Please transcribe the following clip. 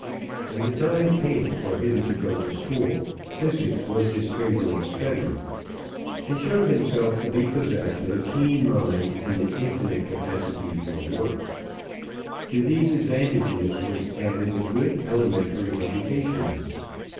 When the time came for him to go to school, physics was his favorite study. He showed himself to be possessed of a keen mind and an infinite capacity for work. To these advantages was added a good elementary education.